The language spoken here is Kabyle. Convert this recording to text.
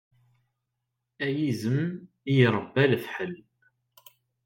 A yizem i iṛebba lefḥel!